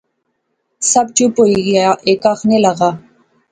سب چپ ہوئی گئے۔ ہیک آخنے لغا